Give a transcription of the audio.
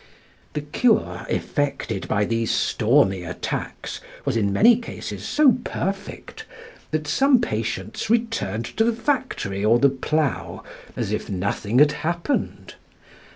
The cure effected by these stormy attacks was in many cases so perfect, that some patients returned to the factory or the plough as if nothing had happened.